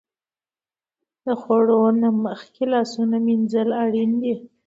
د خوړو نه مخکې لاسونه مینځل اړین دي.